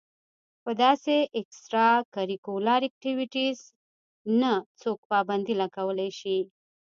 پۀ داسې اېکسټرا کريکولر ايکټويټيز نۀ څوک پابندي لګولے شي